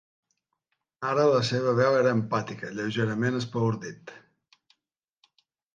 Ara la seva veu era empàtica, lleugerament espaordit.